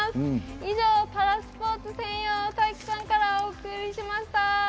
以上パラスポーツ専用体育館からお送りしました。